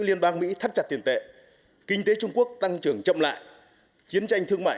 liên bang mỹ thắt chặt tiền tệ kinh tế trung quốc tăng trưởng chậm lại chiến tranh thương mại